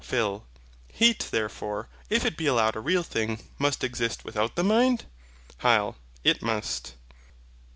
PHIL. Heat therefore, if it be allowed a real being, must exist without the mind? HYL. It must.